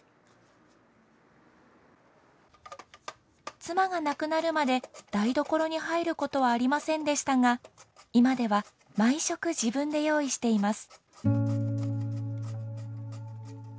妻が亡くなるまで台所に入ることはありませんでしたが今では毎食自分で用意しています。